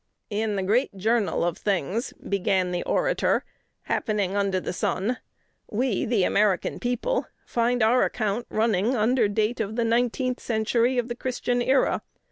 "In the great journal of things," began the orator, "happening under the sun, we, the American People, find our account running under date of the nineteenth century of the Christian era.